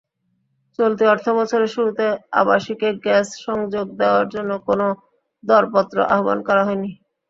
চলতি অর্থবছরের শুরুতে আবাসিকে গ্যাস-সংযোগ দেওয়ার জন্য কোনো দরপত্র আহ্বান করা হয়নি।